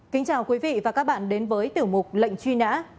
kính chào quý vị và các bạn đến với tiểu mục lệnh truy nã